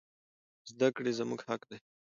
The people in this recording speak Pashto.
زدکړي زموږ حق دي